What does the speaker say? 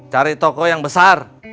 cari toko yang besar